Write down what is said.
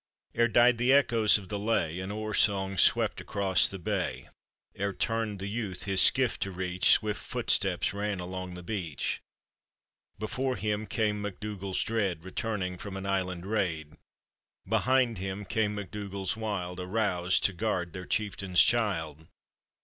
Ere died the echoes of the lay, An oar song swept across the bay; Ere turned the youth his skiff to reach, Swift footsteps ran along the beach: Before him came MacDougalls dread, Returning from an island raid ; Behind him came MacDougalls wild, Aroused to guard their chieftain's child.